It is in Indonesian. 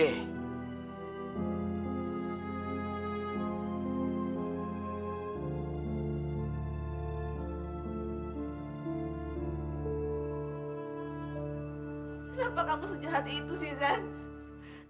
kenapa kamu sejahat itu zan